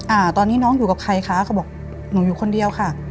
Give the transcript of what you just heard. อ่าตอนนี้น้องอยู่กับใครคะเขาบอกหนูอยู่คนเดียวค่ะ